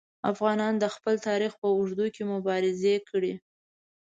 افغانانو د خپل تاریخ په اوږدو کې مبارزې کړي.